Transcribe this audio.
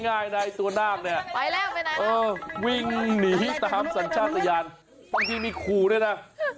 กำรามใหญ่เลยเหมือนจิงโตมากกว่านะ